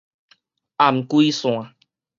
頷胿腺